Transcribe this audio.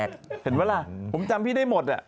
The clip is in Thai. เห็นวะหละผมจำของพี่ได้หมด